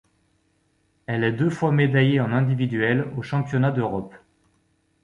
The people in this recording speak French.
Elle est deux fois médaillée en individuel aux Championnats d'Europe.